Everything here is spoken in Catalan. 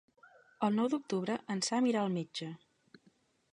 El nou d'octubre en Sam irà al metge.